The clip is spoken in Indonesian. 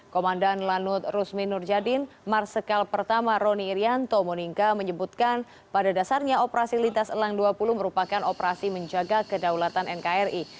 komandan lanut rusmin nurjadin marsikal pertama roni irianto monika menyebutkan pada dasarnya operasi lintas elang dua puluh merupakan operasi menjaga kedaulatan nkri